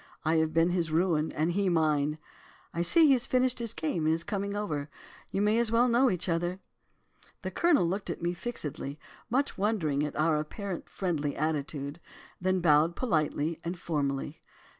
I have been his ruin, and he mine. I see he has finished his game, and is coming over. You may as well know each other.' The Colonel looked at me fixedly, much wondering at our apparent friendly attitude, then bowed politely and formally.